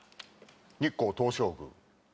日光東照宮。